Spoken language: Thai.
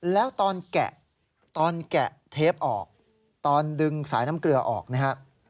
แล้วตอนแกะตอนแกะเทปออกตอนดึงสายน้ำเกลือออกนะครับ